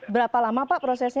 berapa lama pak prosesnya